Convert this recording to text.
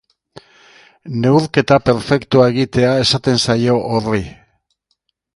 Neurketa perfektua egitea esaten zaio horri.